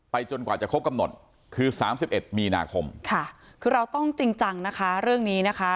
จนกว่าจะครบกำหนดคือ๓๑มีนาคมค่ะคือเราต้องจริงจังนะคะเรื่องนี้นะคะ